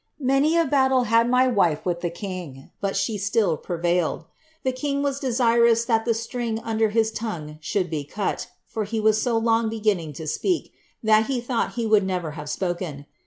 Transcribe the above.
Many a battle had my wife with the king, but till prevailed. The king was desirous that the string under his e should be cut, for he was so long beginning to speak, that he ;ht he would never have spoken.